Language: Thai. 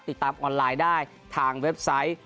ติดตามออนไลน์ได้ทางเว็บไซต์